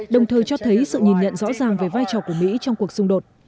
đồng thời cho thấy sự nhìn nhận rõ ràng về vai trò của mỹ trong cuộc xung đột